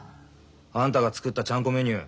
あんたが作ったちゃんこメニュー。